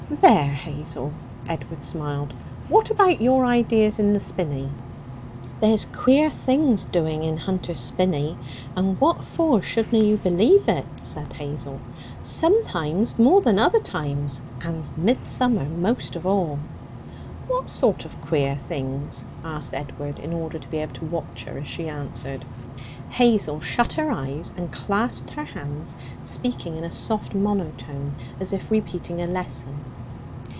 'There, Hazel!' Edward smiled. 'What about your ideas in the spinney?' 'There's queer things doing in Hunter's Spinney, and what for shouldna you believe it?' said Hazel. 'Sometimes more than other times, and midsummer most of all.' 'What sort of queer things?' asked Edward, in order to be able to watch her as she answered. Hazel shut her eyes and clasped her hands, speaking in a soft monotone as if repeating a lesson.